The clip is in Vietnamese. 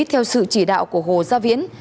theo sự chỉ đạo của hồ gia viễn